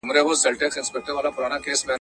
لمر د اسمان په منځ کې ډېر ګرم وي.